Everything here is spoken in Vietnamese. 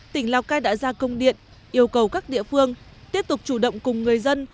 tỉnh lào cai đã ra công điện yêu cầu các địa phương tiếp tục chủ động cùng người dân